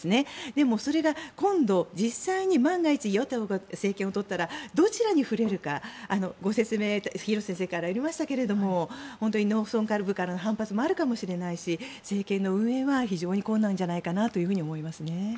でも、それが今度実際に万が一与党が政権を取ったらどちらに振れるかご説明が廣瀬先生からもありましたが本当に農村部からの反発もあるかもしれないし政権の運営は非常に困難じゃないかなと思いますね。